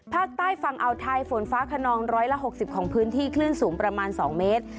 ภาคใต้ฝั่งเอาไทยฝนฟ้าคนองร้อยละหกสิบของพื้นที่คลื่นสูงประมาณสองเมตร